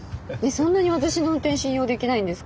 そんなに私の運転信用できないんですか？